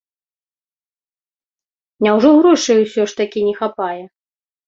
Няўжо грошай усё ж такі не хапае?